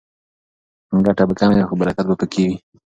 ګټه به کمه وي خو برکت به پکې وي.